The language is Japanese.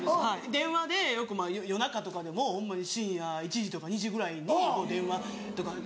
電話でよく夜中とかでもホンマに深夜１時とか２時ぐらいに電話とかで相談。